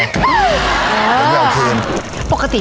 อร่อยค่ะฮังรีวีลล่าวทีน